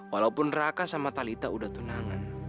walaupun raka sama talitha udah tenangan